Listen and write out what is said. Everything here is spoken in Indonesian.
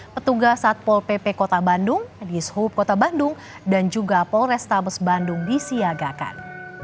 petugas satpol pp kota bandung dishub kota bandung dan juga polrestabes bandung disiagakan